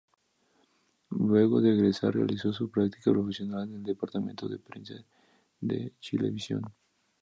Luego de egresar, realizó su práctica profesional en el Departamento de Prensa de Chilevisión.